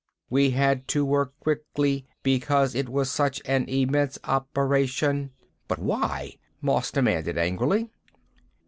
We had to work quickly because it was such an immense operation." "But why?" Moss demanded angrily.